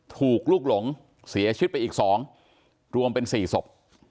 ถูกลูกหลงเสียชีวิตไปอีก๒รวมเป็น๔ศพ